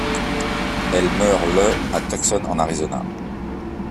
Elle meurt le à Tucson en Arizona.